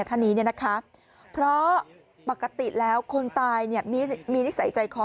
ท่านนี้นะคะเพราะปกติแล้วคนตายมีนิสัยใจคอ